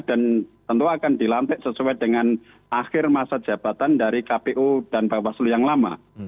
dan tentu akan dilantik sesuai dengan akhir masa jabatan dari kpu dan bawaslu yang lama